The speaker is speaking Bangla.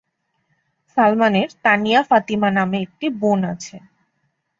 সালমানের তানিয়া ফাতিমা নামে একটি বোন আছে।